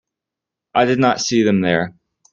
I did not see them there.